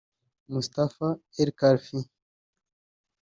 Mustapha el-Khalfi